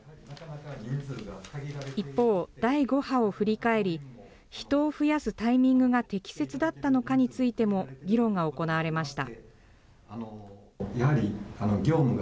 一方、第５波を振り返り、人を増やすタイミングが適切だったのかについても議論が行われました。